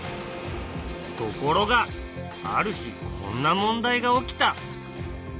ところがある日こんな問題が起きた。